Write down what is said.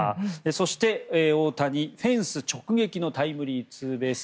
そして大谷、フェンス直撃のタイムリーツーベース。